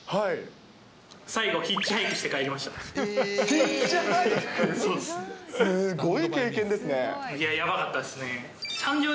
最後、ヒッチハイクして帰りましヒッチハイク？